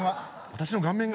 私の顔面が？